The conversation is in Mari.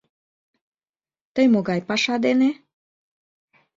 Тый могай паша дене?